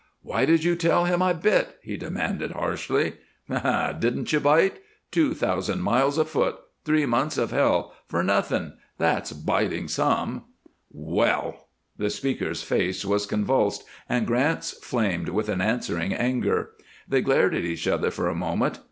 "Why did you tell him I bit?" he demanded, harshly. "Hunh! Didn't you bite? Two thousand miles afoot; three months of hell; for nothing. That's biting some." "Well!" The speaker's face was convulsed, and Grant's flamed with an answering anger. They glared at each other for a moment.